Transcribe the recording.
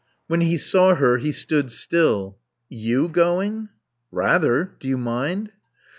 When he saw her he stood still. "You going?" "Rather. Do you mind?"